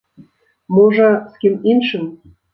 Можа, з кім іншым.